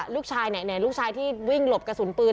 ลูกชายเนี่ยลูกชายที่วิ่งหลบกระสุนปืน